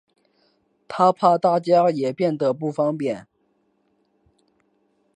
她怕大家也变得不方便